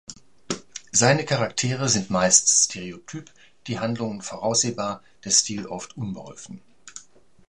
Seine Charaktere sind meist stereotyp, die Handlung voraussehbar, der Stil oft unbeholfen.